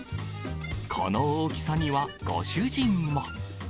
この大きさには、ご主人も。